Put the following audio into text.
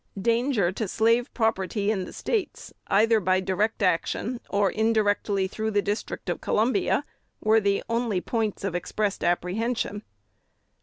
Danger to slave property in the States, either by direct action, or indirectly through the District of Columbia, were the only points of expressed apprehension."